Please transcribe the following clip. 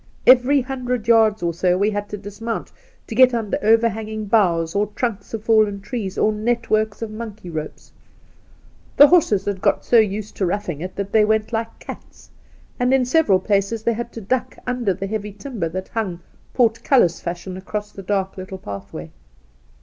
Every hundred, yards or so we had to dismount to get under overhanging boughs or trunks of fallen trees or networks of monkey The Outspan 19 ropes. The horses had got so used to roughing it that they went like cats, and in several places they had to duck under the heavy timber that hung, portcullis fashion, across the dark little pathway.